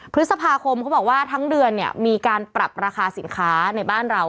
พฤษภาคมเขาบอกว่าทั้งเดือนเนี่ยมีการปรับราคาสินค้าในบ้านเรา